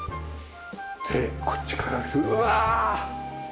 でこっちから見てうわ！